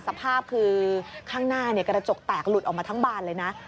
สภาพคือข้างหน้ากระจกแตกหลุดออกมาทั้งบานเลยนะ